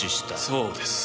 そうです。